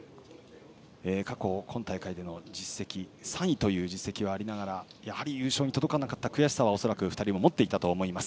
過去、今大会で３位という実績がありながらやはり優勝に届かなかった悔しさも恐らく２人も持っていたと思います。